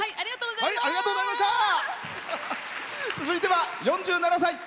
続いては４７歳。